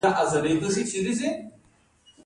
د هیواد په هر ولایت کې ځانګړې میوې کیږي.